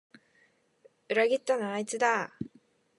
裏切ったのはあいつだ